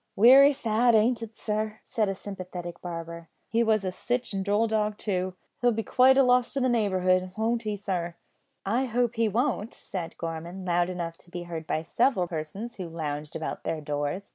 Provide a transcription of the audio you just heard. "Wery sad, ain't it, sir?" said a sympathetic barber. "He was sitch a droll dog too. He'll be quite a loss to the neighbourhood; won't he, sir?" "I hope he won't," said Gorman, loud enough to be heard by several persons who lounged about their doors.